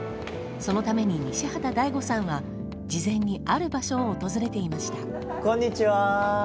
そのために西畑大吾さんは事前にある場所を訪れていました。